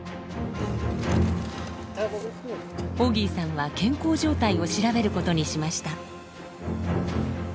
オギーさんは健康状態を調べることにしました。